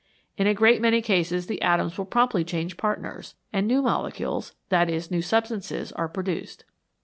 In a great many cases the atoms will promptly change partners, and new molecules that is, new substances are produced.